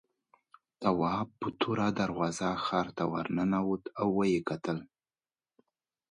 تواب په توره دروازه ښار ته ورننوت او وکتل.